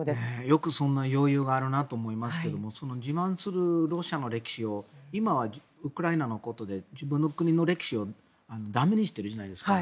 よくそんな余裕があるなと思いますけどその自慢するロシアの歴史を今はウクライナのことで自分の国の歴史を駄目にしているじゃないですか。